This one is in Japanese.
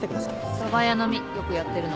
そば屋飲みよくやってるの。